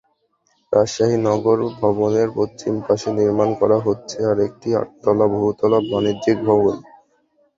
রাজশাহী নগর ভবনের পশ্চিম পাশে নির্মাণ করা হচ্ছে আরেকটি আটতলা বহুতল বাণিজ্যিক ভবন।